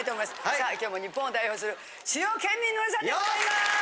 さあ今日も日本を代表する主要県民のみなさんでございます。